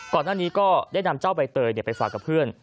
ก่อนหน้านี้ก็ได้นำเจ้าใบเตยไปฝากกับเพื่อน